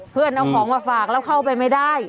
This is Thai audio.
เพื่อนเอาของมาฝากแล้วเข้าไปไม่ได้